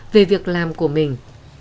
về việc làm của mình